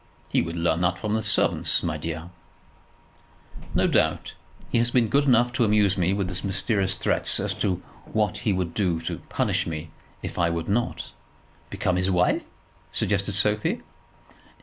"He would learn that from the servants, my dear." "No doubt. He has been good enough to amuse me with mysterious threats as to what he would do to punish me if I would not " "Become his wife?" suggested Sophie.